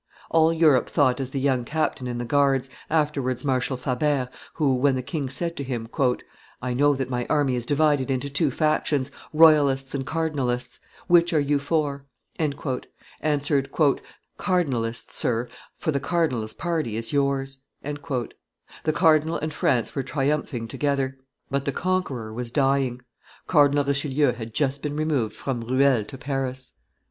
All Europe thought as the young captain in the guards, afterwards Marshal Fabert, who, when the king said to him, "I know that my army is divided into two factions, royalists and cardinalists; which are you for?" answered, "Cardinalists, sir, for the cardinal's party is yours." The cardinal and France were triumphing together, but the conqueror was dying; Cardinal Richelieu had just been removed from Ruel to Paris.